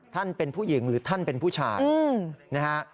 ท่านเป็นผู้หญิงหรือท่านเป็นผู้ชายนะฮะ